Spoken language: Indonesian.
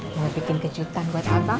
mau bikin kejutan buat abang